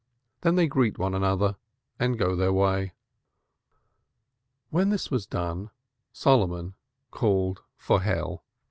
Then they greet one another and go their way." When this was done, Solomon called for Hell.